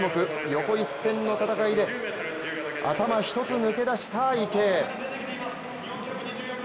横一線の戦いで頭一つ抜け出した池江。